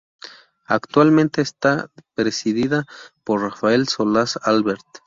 Actualmente está presidida por Rafael Solaz Albert.